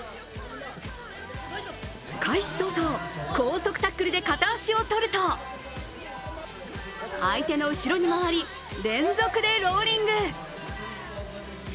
開始早々、高速タックルで片足をとると相手の後ろに回り、連続でローリング。